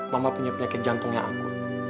mama punya penyakit jantungnya aku